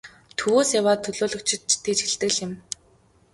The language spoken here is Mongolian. Төвөөс яваа төлөөлөгчид ч тэгж хэлдэг л юм.